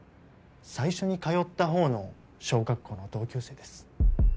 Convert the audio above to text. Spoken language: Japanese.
最初に通ったほうの小学校の同級生です